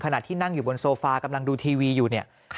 ขณะที่นั่งอยู่บนโซฟากำลังดูทีวีอยู่เนี่ย